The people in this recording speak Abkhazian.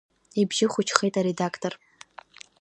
Ибжьы хәыҷхеит аредақтор.